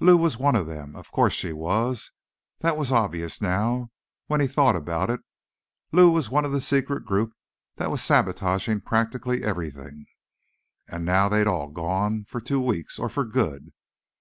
Lou was one of them. Of course she was; that was obvious now, when he thought about it. Lou was one of the secret group that was sabotaging practically everything. And now they'd all gone. For two weeks—or for good.